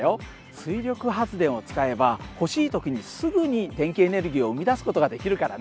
水力発電を使えば欲しい時にすぐに電気エネルギーを生み出す事ができるからね。